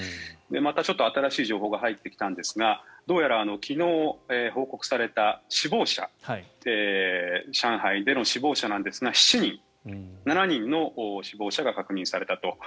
またちょっと新しい情報が入ってきたんですがどうやら昨日、報告された死亡者上海での死亡者なんですが７人の死亡者が確認されたと。